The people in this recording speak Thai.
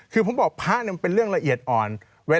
คือผมบอกพระมันเป็นเรื่องละเอียดอ่อน